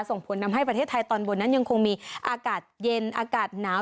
ส่งผลทำให้ประเทศไทยตอนบนนั้นยังคงมีอากาศเย็นอากาศหนาว